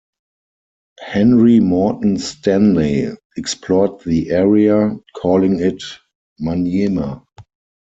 Henry Morton Stanley explored the area, calling it Manyema.